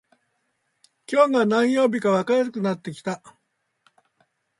今日が何曜日かわからなくなってきた